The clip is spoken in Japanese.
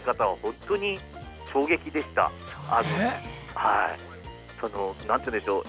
その何て言うんでしょう